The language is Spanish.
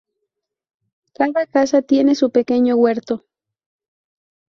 Cada casa tiene su pequeño huerto.